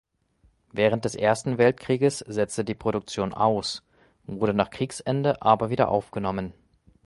Während des Ersten Weltkrieges setzte die Produktion aus, wurde nach Kriegsende aber wieder aufgenommen.